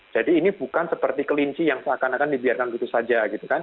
jadi ini bukan seperti kelinci yang seakan akan dibiarkan begitu saja gitu kan